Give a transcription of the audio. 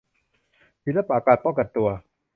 ศิลปะการป้องกันตัว